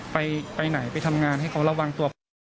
ไปไหนไปทำงานให้เขาระวังตัวไป